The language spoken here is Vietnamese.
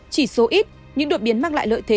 chỉ số ít những đột biến mang lại lợi thế